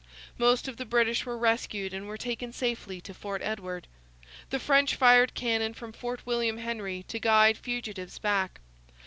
Most of the British were rescued and were taken safely to Fort Edward. The French fired cannon from Fort William Henry to guide fugitives back.